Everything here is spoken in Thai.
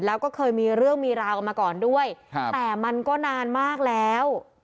แล้วก็เคยมีเรื่องมีราวกันมาก่อนด้วยแต่มันก็นานมากแล้ว